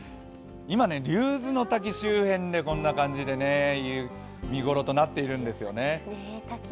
今、竜頭ノ滝周辺で、こんな感じで見頃となっているんですね。